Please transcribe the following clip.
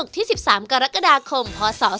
ประกาศรายชื่อพศ๒๕๖๑